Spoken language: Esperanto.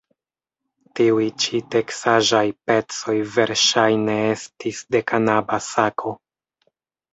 Tiuj ĉi teksaĵaj pecoj verŝajne estis de kanaba sako.